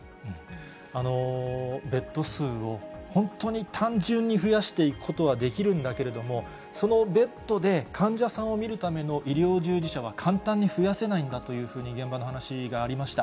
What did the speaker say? ベッド数を本当に単純に増やしていくことはできるんだけれども、そのベッドで患者さんを診るための医療従事者は簡単に増やせないんだというふうに、現場の話がありました。